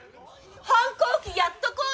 反抗期やっとこうよ！